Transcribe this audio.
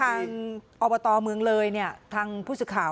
ทางอบตเมืองเลยเนี่ยทางผู้สื่อข่าว